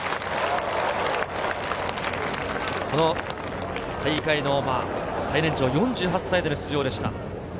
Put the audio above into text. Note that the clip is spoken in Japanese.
この大会の最年長、４８歳での出場でした。